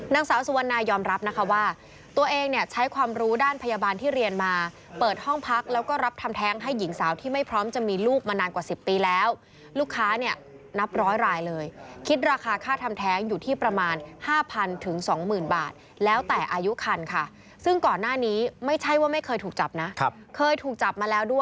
นางสาวสุวรรณายอมรับนะคะว่าตัวเองเนี่ยใช้ความรู้ด้านพยาบาลที่เรียนมาเปิดห้องพักแล้วก็รับทำแท้งให้หญิงสาวที่ไม่พร้อมจะมีลูกมานานกว่า๑๐ปีแล้วลูกค้าเนี่ยนับร้อยรายเลยคิดราคาค่าทำแท้งอยู่ที่ประมาณห้าพันถึงสองหมื่นบาทแล้วแต่อายุคันค่ะซึ่งก่อนหน้านี้ไม่ใช่ว่าไม่เคยถูกจับนะเคยถูกจับมาแล้วด้วย